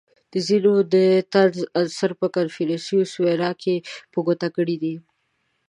• ځینو د طنز عنصر په کنفوسیوس ویناوو کې په ګوته کړی دی.